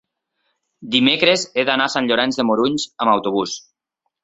dimecres he d'anar a Sant Llorenç de Morunys amb autobús.